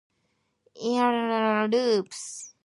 In Monterrey the highway intersects various highways and loops.